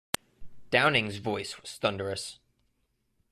Downing's voice was thunderous.